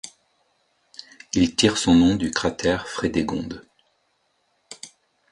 Il tire son nom du cratère Frédégonde.